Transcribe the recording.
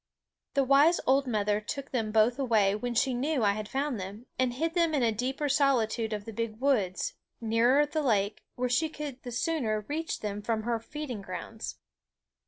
The wise old mother took them both away when she knew I had found them, and hid them in a deeper solitude of the big woods, nearer the lake, where she could the sooner reach them from her feeding grounds.